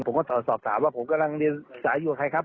ผมก็สอบถามว่าผมกำลังเรียนสายอยู่กับใครครับ